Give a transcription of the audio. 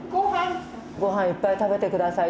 ごはんいっぱい食べて下さいって。